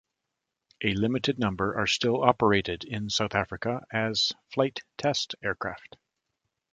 A limited number are still operated in South Africa as flight test aircraft.